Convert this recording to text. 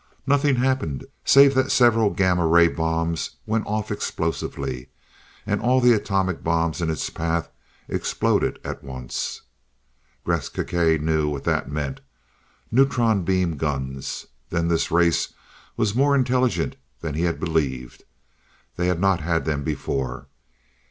Nothing happened save that several gamma ray bombs went off explosively, and all the atomic bombs in its path exploded at once. Gresth Gkae knew what that meant. Neutron beam guns. Then this race was more intelligent than he had believed. They had not had them before.